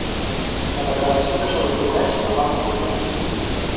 La degradació que això li produeix el va empenyent al suïcidi.